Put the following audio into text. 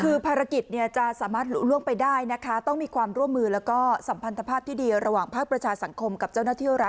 คือภารกิจเนี่ยจะสามารถล่วงไปได้นะคะต้องมีความร่วมมือแล้วก็สัมพันธภาพที่ดีระหว่างภาคประชาสังคมกับเจ้าหน้าที่รัฐ